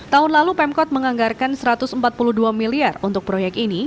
tahun lalu pemkot menganggarkan rp satu ratus empat puluh dua miliar untuk proyek ini